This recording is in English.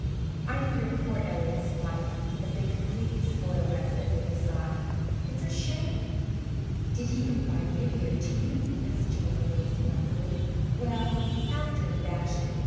"I fear poor Elliott's life has been completely spoiled," I said, with a sigh. "It's a shame." "Did he confide the affair to you?" asked Jane, a little scornfully. "Well, after a fashion.